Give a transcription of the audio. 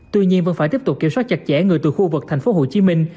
tuy nhiên vẫn phải tiếp tục kiểm soát chặt chẽ người từ khu vực thành phố hồ chí minh